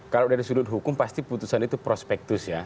kalau dari sudut hukum pasti putusan itu prospektus ya